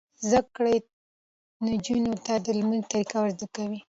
زده کړه نجونو ته د لمانځه طریقه ور زده کوي.